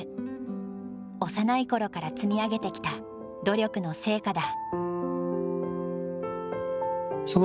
幼い頃から積み上げてきた努力の成果だ。